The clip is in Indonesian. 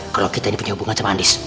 kalau kita ini punya hubungan sama anies